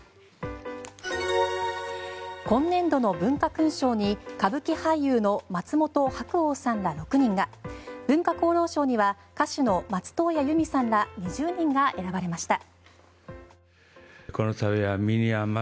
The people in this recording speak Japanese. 今年度の文化勲章に歌舞伎俳優の松本白鸚さんら６人が文化功労賞には歌手の松任谷由実さんら２０人が選ばれました。